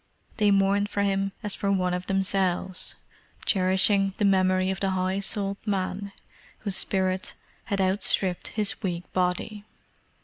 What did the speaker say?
They mourned for him as for one of themselves, cherishing the memory of the high souled man whose spirit had outstripped his weak body.